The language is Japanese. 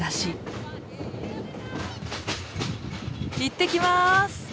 いってきます！